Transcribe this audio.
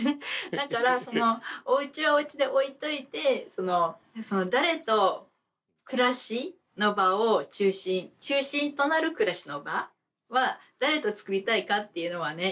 だからそのおうちはおうちで置いといてその誰と暮らしの場を中心中心となる暮らしの場は誰と作りたいかっていうのはね